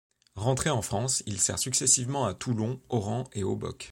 Rentré en France, il sert successivement à Toulon, Oran et Obock.